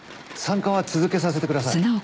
産科は続けさせてください。